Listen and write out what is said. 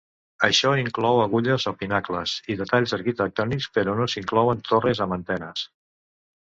Això inclou agulles o pinacles i detalls arquitectònics, però no s'hi inclouen torres amb antenes.